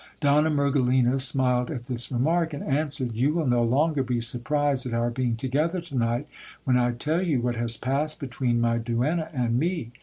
Donna Mergelina smiled at this remark, and answered : You will no longer be surprised at our being together to night, when I tell you what has passed between my duenna and me.